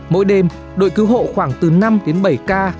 mỗi đêm đội cứu hộ khoảng từ năm đến bảy ca